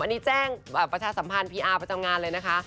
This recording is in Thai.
อันนี้แจ้งประชาสัมพันธ์พีอาร์ประจำงานเลยนะคะ